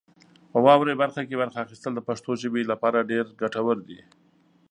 په واورئ برخه کې برخه اخیستل د پښتو ژبې لپاره ډېر ګټور دي.